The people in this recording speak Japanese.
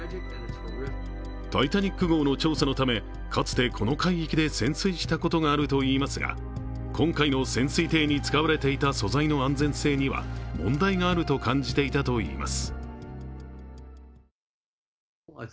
「タイタニック」号の調査のため、かつてこの海域で潜水したことがあるといいますが今回の潜水艇に使われていた素材の安全性には、問題があると感じていたといいます。